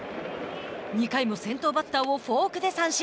２回も先頭バッターをフォークで三振。